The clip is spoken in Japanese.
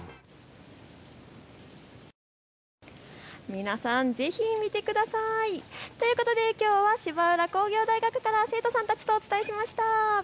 皆さん、ぜひ見てください。ということできょうは芝浦工業大学から生徒さんたちとお伝えしました。